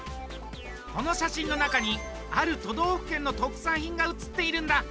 この写真の中にある都道府県の特産品が映っているんだ。